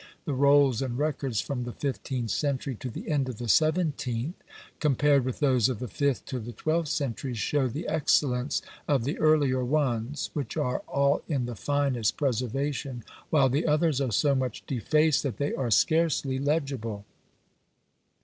The rolls and records from the fifteenth century to the end of the seventeenth, compared with those of the fifth to the twelfth centuries, show the excellence of the earlier ones, which are all in the finest preservation; while the others are so much defaced, that they are scarcely legible.